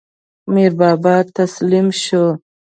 میربابا تسلیم شو.